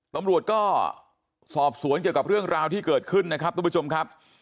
ตำรวจก็สอบสวนเกี่ยวกับเรื่องราวที่เกิดขึ้นนะครับทุกผู้ชมครับ